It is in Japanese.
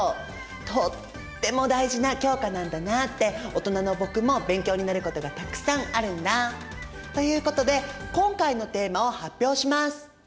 とっても大事な教科なんだなって大人の僕も勉強になることがたくさんあるんだ！ということで今回のテーマを発表します！